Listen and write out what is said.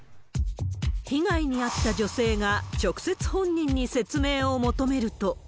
被害に遭った女性が直接本人に説明を求めると。